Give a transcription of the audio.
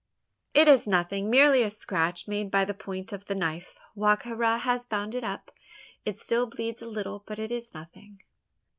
"It is nothing merely a scratch made by the point of the knife. Wa ka ra has bound it up. It still bleeds a little, but it is nothing."